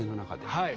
はい。